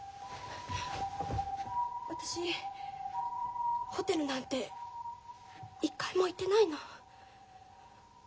私ホテルなんて一回も行ってないの。